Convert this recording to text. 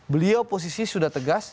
beliau posisi sudah tegas